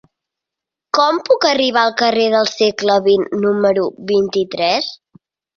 Com puc arribar al carrer del Segle XX número vint-i-tres?